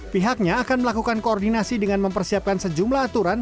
pihaknya akan melakukan koordinasi dengan mempersiapkan sejumlah aturan